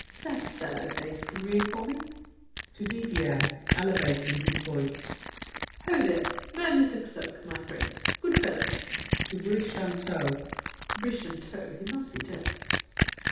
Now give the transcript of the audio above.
That sallow face can read For me. [To Didier, elevating his voice. Ho! man there with the cloak! My friend! Good fellow! [To Brichanteau.] Brichanteau, he must be deaf.